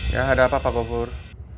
ya ada apa pak gugur